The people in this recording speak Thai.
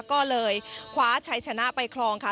ก็เลยคว้าชัยชนะไปคลองค่ะ